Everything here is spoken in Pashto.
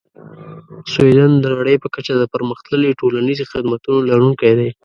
سویدن د نړۍ په کچه د پرمختللې ټولنیزې خدمتونو لرونکی دی.